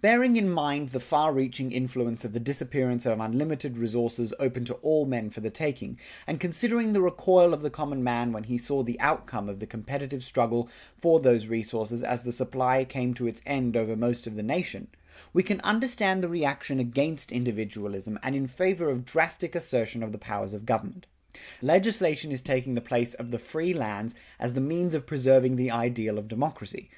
Bearing in mind the far reaching influence of the disappearance of unlimited resources open to all men for the taking, and considering the recoil of the common man when he saw the outcome of the competitive struggle for these resources as the supply came to its end over most of the nation, we can understand the reaction against individualism and in favor of drastic assertion of the powers of government. Legislation is taking the place of the free lands as the means of preserving the ideal of democracy.